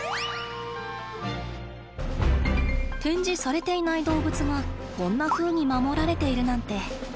展示されていない動物がこんなふうに守られているなんて。